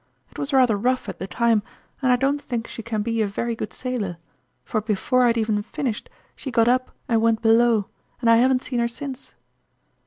It was rather rough at the time, and I don't think she can be a very good sailor ; for before I had even finished she got up and went below, and I haven't seen her since."